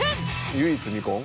唯一未婚？